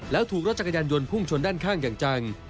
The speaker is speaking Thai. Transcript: แล้วถูกรถจักรยานยนต์พุ่งชนด้านข้างอย่างจัง